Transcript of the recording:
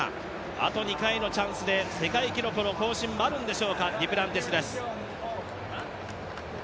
あと２回のチャンスで世界記録の更新もあるんでしょうか、デュプランティスです。